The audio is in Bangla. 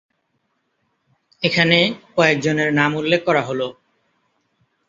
এখানে কয়েকজনের নাম উল্লেখ করা হল।